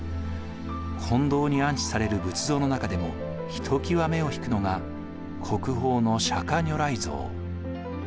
金堂に安置される仏像の中でもひときわ目を引くのが国宝の釈如来像。